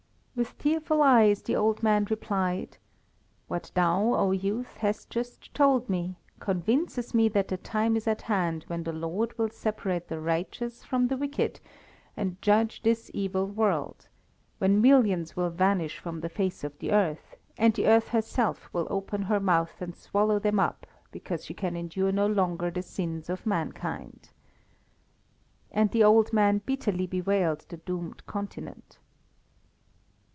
With tearful eyes, the old man replied: "What thou, O youth, hast just told me, convinces me that the time is at hand when the Lord will separate the righteous from the wicked, and judge this evil world; when millions will vanish from the face of the earth, and the earth herself will open her mouth and swallow them up because she can endure no longer the sins of mankind." And the old man bitterly bewailed the doomed continent.